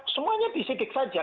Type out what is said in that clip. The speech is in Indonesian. semuanya disidik saja